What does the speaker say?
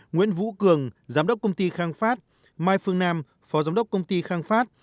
nguyễn vũ cường giám đốc công ty khang phát mai phương nam phó giám đốc công ty khang phát